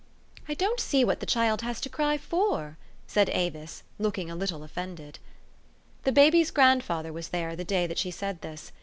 " I don't see what the child has to cry for !" said Avis, looking a little offended. The baby's grandfather was there the day that she 274 THE STORY OF AVIS. said this.